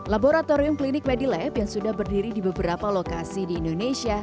laboratorium klinik medilab yang sudah berdiri di beberapa lokasi di indonesia